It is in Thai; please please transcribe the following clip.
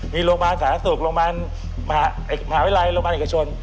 มีโรงบานสหรัฐศูกร์โรงบานมหาวิรัยโรงบานเอกชน